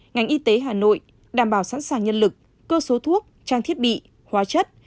ngành y tế hà nội đảm bảo sẵn sàng nhân lực cơ số thuốc trang thiết bị hóa chất